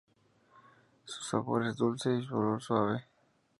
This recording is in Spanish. Su sabor es dulce y su olor suave.